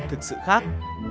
thực sự khác